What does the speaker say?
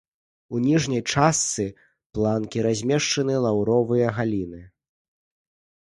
У ніжняй частцы планкі размешчаны лаўровыя галіны.